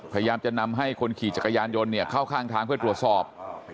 พยายามจะนำให้คนขี่จักรยานยนต์เข้าข้างทางเพื่อตรวจสอบ